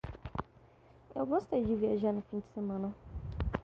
Eu gostei de viajar no fim de semana